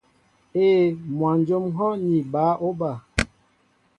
Éē, mwajóm ŋ̀hɔ́ ni bǎ óba.